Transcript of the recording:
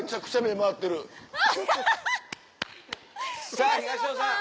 さぁ東野さん。